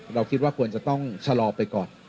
เราคิดว่าควรจะต้องชะลอไปก่อน